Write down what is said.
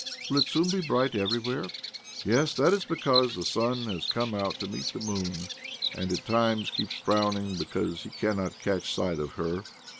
"Will it soon be bright everywhere? "" Yes. That is because the sun has come out to meet the moon, and at times keeps frowning because he cannot catch sight of her.